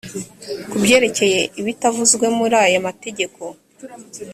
ku byerekeye ibitavuzwe muri aya mategeko